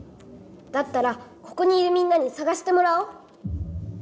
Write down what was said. だったらここにいるみんなにさがしてもらおう。